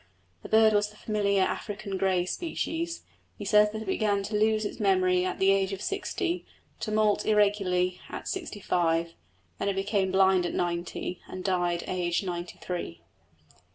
This bird was the familiar African grey species. He says that it began to lose its memory at the age of sixty, to moult irregularly at sixty five, that it became blind at ninety, and died aged ninety three.